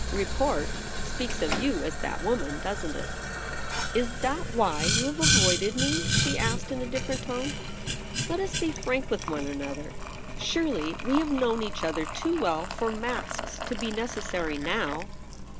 ' Report speaks of you as that woman, doesn't It ?'* Is that why you have avoided me ?' she asked, In a different tone. * Let us be frank with one another. Surely we have known each other too well for masks to be necessary now.'